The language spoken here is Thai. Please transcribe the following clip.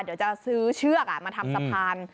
เดี๋ยวจะซื้อเชือกมาทำสะพาน